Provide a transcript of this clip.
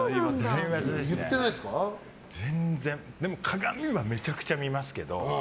でも鏡はめちゃくちゃ見ますけど。